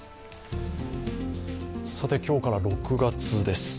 さて、今日から６月です。